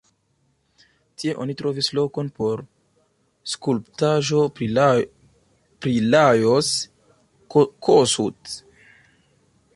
Tie oni trovis lokon por skulptaĵo pri Lajos Kossuth.